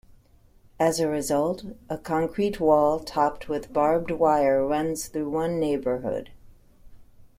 As a result, a concrete wall topped with barbed wire runs through one neighbourhood.